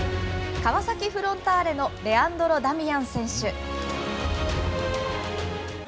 川崎フロンターレのレアンドロ・ダミアン選手。